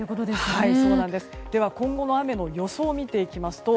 今後の雨の予想を見ていきますと